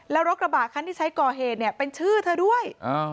แล้วรถกระบะคันที่ใช้ก่อเหตุเนี่ยเป็นชื่อเธอด้วย